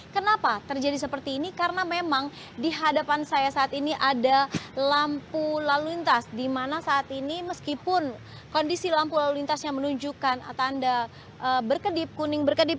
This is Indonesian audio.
kenapa terjadi seperti ini karena memang di hadapan saya saat ini ada lampu lalu lintas di mana saat ini meskipun kondisi lampu lalu lintasnya menunjukkan tanda berkedip kuning berkedip